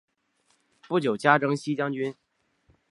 不久加征西将军。